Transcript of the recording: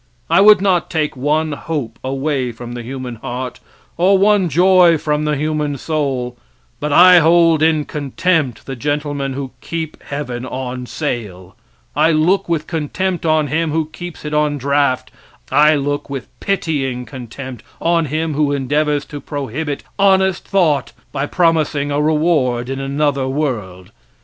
I would not take one hope away from the human heart or one joy from the human soul, but I hold in contempt the gentlemen who keep heaven on sale; I look with contempt on him who keeps it on draught; I look with pitying contempt on him who endeavors to prohibit honest thought by promising a reward in another world.